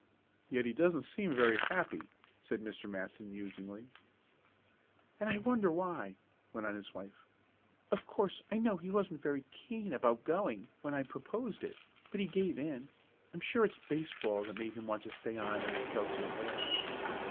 "Yet he doesn't seem very happy," said Mr. Matson, musingly. "And I wonder why," went on his wife. "Of course I know he wasn't very keen about going, when I proposed it, but he gave in. I'm sure it's baseball that made him want to stay on at Excelsior Hall."